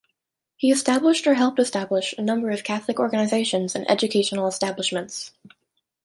He established or helped establish a number of Catholic organizations and educational establishments.